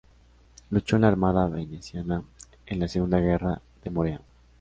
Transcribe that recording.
Luchó en la armada veneciana en la Segunda Guerra de Morea.